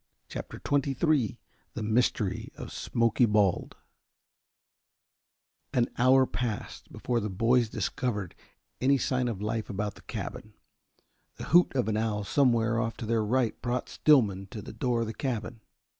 CHAPTER XXIII THE MYSTERY OF SMOKY BALD An hour passed before the boys discovered any sign of life about the cabin. The hoot of an owl somewhere off to their right brought Stillman to the door of the cabin.